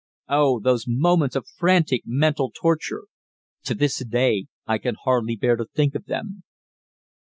Oh, those moments of frantic mental torture! To this day I can hardly bear to think of them.